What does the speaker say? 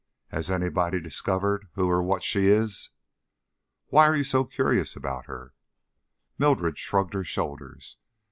"Has anybody discovered who or what she is?" "Why are you so curious about her?" Mildred shrugged her shoulders.